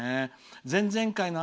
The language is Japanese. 前々回の朝